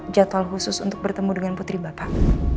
jadwal khusus untuk bertemu dengan putri bapak